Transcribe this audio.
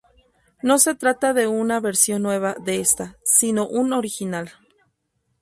No se trata de una versión nueva de esta, sino un original.